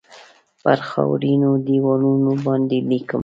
پر خاورینو دیوالونو باندې لیکم